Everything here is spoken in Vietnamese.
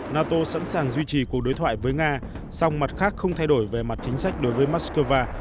nato sẵn sàng duy trì cuộc đối thoại với nga song mặt khác không thay đổi về mặt chính sách đối với moscow